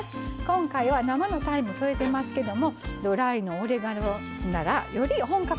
今回は生のタイム添えてますけどもドライのオレガノならより本格的になりますよ。